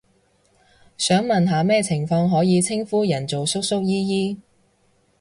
想問下咩情況可以稱呼人做叔叔姨姨？